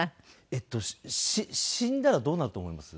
えっと死んだらどうなると思います？